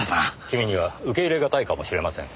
君には受け入れがたいかもしれません。